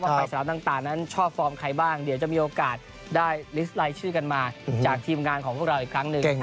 ไปสนามต่างนั้นชอบฟอร์มใครบ้างเดี๋ยวจะมีโอกาสได้ลิสต์รายชื่อกันมาจากทีมงานของพวกเราอีกครั้งหนึ่ง